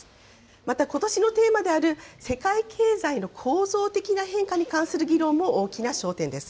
また、ことしのテーマである、世界経済の構造的な変化に関する議論も大きな焦点です。